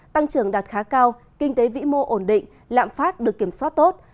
tăng trưởng đạt khá cao kinh tế vĩ mô ổn định lạm phát được kiểm soát tốt